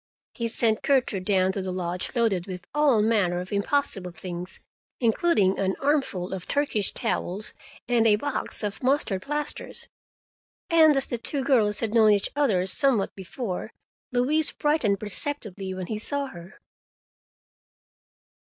He sent Gertrude down to the lodge loaded with all manner of impossible things, including an armful of Turkish towels and a box of mustard plasters, and as the two girls had known each other somewhat before, Louise brightened perceptibly when she saw her.